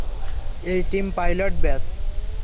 এই team pilot batch.